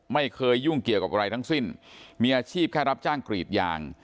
ไม่เคยยุ่งเกี่ยวกับอะไรทั้งสิ้นมีอาชีพแค่รับจ้างกรีดยาง